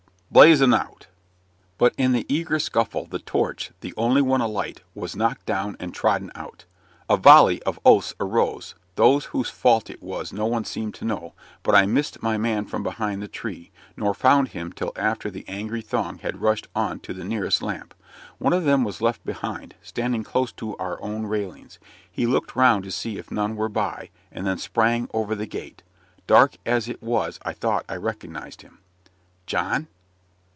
Blaze 'un out." But, in the eager scuffle, the torch, the only one alight, was knocked down and trodden out. A volley of oaths arose, though whose fault it was no one seemed to know; but I missed my man from behind the tree nor found him till after the angry throng had rushed on to the nearest lamp. One of them was left behind, standing close to our own railings. He looked round to see if none were by, and then sprang over the gate. Dark as it was I thought I recognized him. "John?"